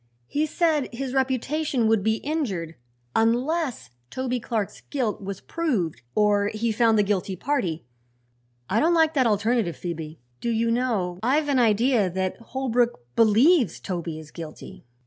He said his reputation would be injured unless Toby Clark's guilt was proved or he found the guilty party. I don't like that alternative, Phoebe. Do you know, I've an idea that Holbrook believes Toby is guilty?"